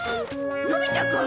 のび太くん！？